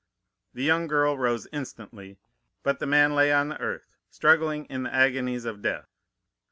The young girl rose instantly, but the man lay on the earth struggling in the agonies of death.